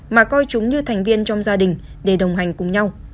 mà coi chúng như thành viên trong gia đình để đồng hành cùng nhau